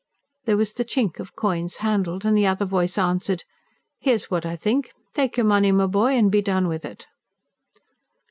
There was the chink of coins handled, and the other voice answered: "Here's what I think. Take your money, my boy, and be done with it!"